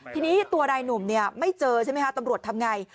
ทีนี้ตัวนายหนุ่มไม่เจอใช่ไหมคะตำรวจทำไง